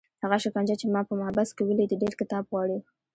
هغه شکنجه چې ما په محبس کې ولیده ډېر کتاب غواړي.